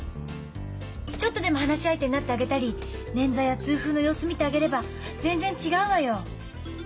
ちょっとでも話し相手になってあげたりねんざや痛風の様子見てあげれば全然違うわよ。